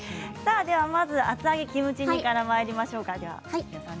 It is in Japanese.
まずは厚揚げキムチ煮からまいりましょうか。